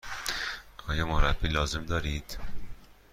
آیا مربی لازم دارید؟